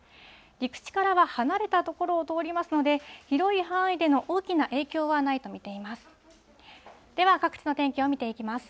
陸地からは離れた所を通りますので、広い範囲での大きな影響はないと見ています。